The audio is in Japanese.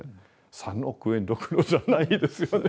３億円どころじゃないですよね。